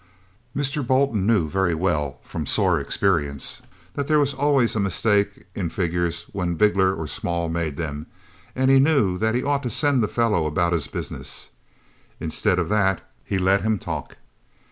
Mr. Bolton knew perfectly well from sore experience that there was always a mistake in figures when Bigler or Small made them, and he knew that he ought to send the fellow about his business. Instead of that, he let him talk.